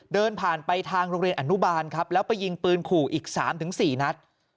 เดินผ่านไปทางโรงเรียนอนุบาลครับแล้วไปยิงปืนขู่อีก๓๔นัด